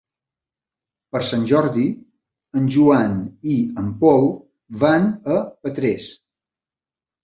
Per Sant Jordi en Joan i en Pol van a Petrés.